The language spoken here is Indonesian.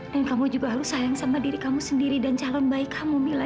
dan kamu juga harus sayang sama diri kamu sendiri dan calon baik kamu mila